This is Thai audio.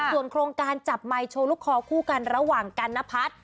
ส่วนโครงการจับไมค์โชว์ลูกคอคู่กันระหว่างกันนพัฒน์